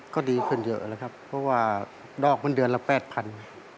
ก็ดีขึ้นเยอะนะครับเพราะว่าดอกมันเดือนละ๘๐๐๐บาท